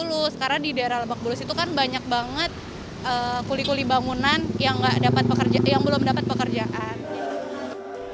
lulus karena di daerah lebak bulus itu kan banyak banget kuli kuli bangunan yang belum dapat pekerjaan